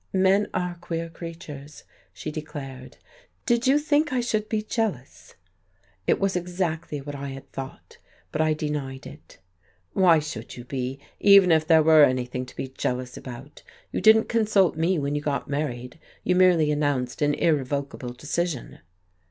"Men are queer creatures," she declared. "Did you think I should be jealous?" It was exactly what I had thought, but I denied it. "Why should you be even if there were anything to be jealous about? You didn't consult me when you got married. You merely announced an irrevocable decision."